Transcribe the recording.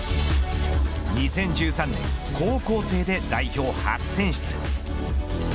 ２０１３年高校生で代表初選出。